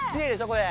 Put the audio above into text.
これ。